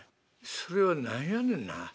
それを何やねんな。